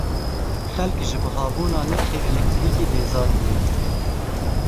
Xelk ji buhabûna nirxê elektrîkê bêzar bûye.